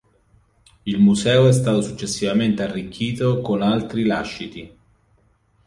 Il museo è stato successivamente arricchito con altri lasciti.